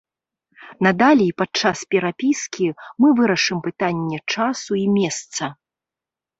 Надалей падчас перапіскі мы вырашым пытанне часу і месца.